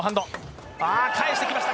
返してきました。